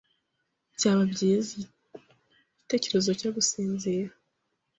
Byaba byiza igitekerezo cyo gusinzira.